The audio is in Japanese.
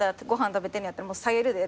食べてんねやったら下げるでって。